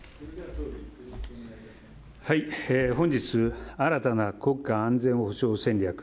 本日、新たな国家安全保障戦略